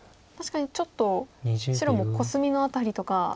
確かにちょっと白もコスミの辺りとか。